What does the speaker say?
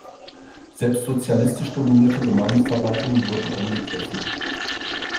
Selbst sozialistisch dominierte Gemeindeverwaltungen wurden angegriffen.